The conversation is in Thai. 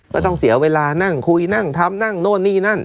ก็ต้องเสียเวลานั่งคุยนั่งทำนั่งโน่นนี่นั่น